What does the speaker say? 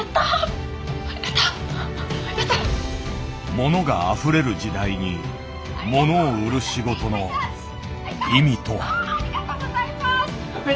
物があふれる時代に物を売る仕事の意味とは。